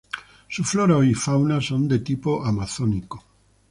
Su flora y fauna son de tipo de amazónico.